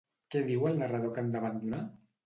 Què diu el narrador que han d'abandonar?